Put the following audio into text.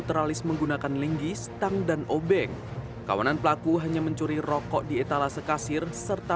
teralis menggunakan linggi stang dan obeng kawanan pelaku hanya mencuri rokok di etalase kasir serta